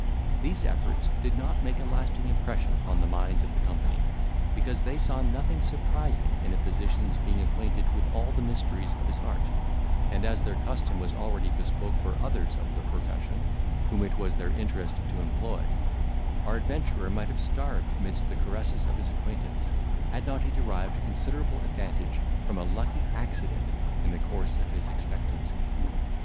These efforts did not make a lasting impression upon the minds of the company; because they saw nothing surprising in a physician's being acquainted with all the mysteries of his art; and, as their custom was already bespoke for others of the profession, whom it was their interest to employ, our adventurer might have starved amidst the caresses of his acquaintance, had not he derived considerable advantage from a lucky accident in the course of his expectancy.